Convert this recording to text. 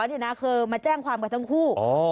นี่นะคือมาแจ้งความกับทั้งคู่